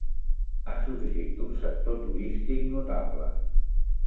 Ha sorgit un sector turístic notable.